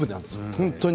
本当に。